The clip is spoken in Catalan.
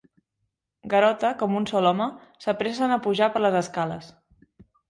Garota, com un sol home, s'apressen a pujar per les escales.